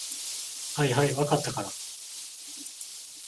はいはい、分かったから。